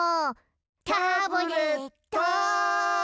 タブレットン！